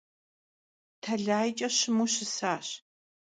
Telayç'e şımu şısaş.